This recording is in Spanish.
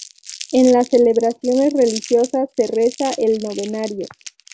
En las celebraciones religiosas se reza el novenario.